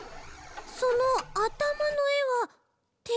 そのあたまのえはて